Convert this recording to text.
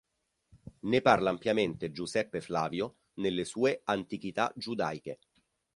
Ne parla ampiamente Giuseppe Flavio nelle sue Antichità Giudaiche.